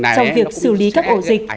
trong việc xử lý các ổ dịch